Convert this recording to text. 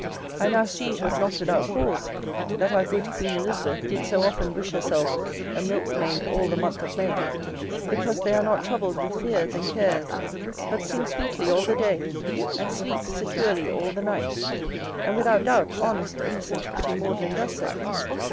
I now see it was not without cause that our good queen Elizabeth did so often wish herself a milk maid all the month of May, because they are not troubled with fears and cares, but sing sweetly all the day, and sleep securely all the night: and without doubt, honest, innocent, pretty Maudlin does so.